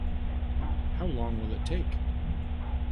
How long it will take?